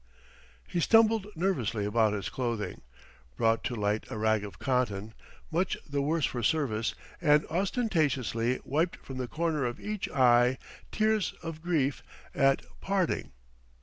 He fumbled nervously about his clothing, brought to light a rag of cotton, much the worse for service, and ostentatiously wiped from the corner of each eye tears of grief at parting.